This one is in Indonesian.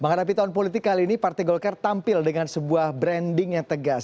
menghadapi tahun politik kali ini partai golkar tampil dengan sebuah branding yang tegas